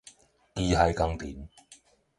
機械工程